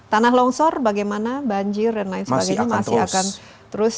tanah longsor bagaimana banjir dan lain sebagainya masih akan terus